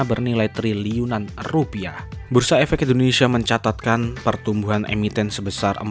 bernilai triliunan rupiah bursa efek indonesia mencatatkan pertumbuhan emiten sebesar empat puluh empat sembilan dalam